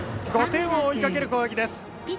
５点を追いかける攻撃です。